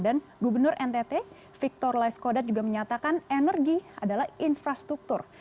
dan gubernur ntt victor laiskodat juga menyatakan energi adalah infrastruktur